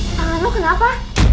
tangan lu kenapa